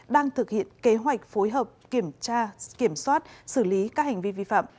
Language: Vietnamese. đang thực hiện kế hoạch phối hợp kiểm tra kiểm soát xử lý các hành vi vi phạm